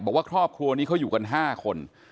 บอกว่าครอบครัวนี้เขาอยู่กัน๕คน